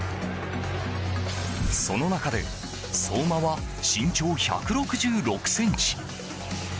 その中で相馬は身長１６６ｃｍ。